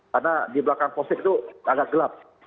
karena di belakang possek itu agak gelap